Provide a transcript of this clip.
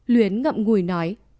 luyến ngậm ngùi nói